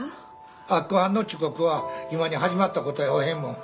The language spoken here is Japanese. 明子はんの遅刻は今に始まったことやおへんもん。